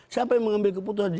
siapa yang mengambil keputusan